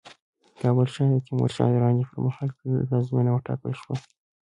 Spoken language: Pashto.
کابل ښار د تیمورشاه دراني پرمهال پلازمينه وټاکل شوه